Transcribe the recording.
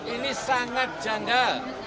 ini sangat janggal